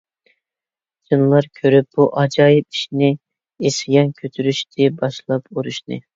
جىنلار كۆرۈپ بۇ ئاجايىپ ئىشنى، ئىسيان كۆتۈرۈشتى باشلاپ ئۇرۇشنى.